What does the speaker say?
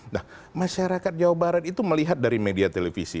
nah masyarakat jawa barat itu melihat dari media televisi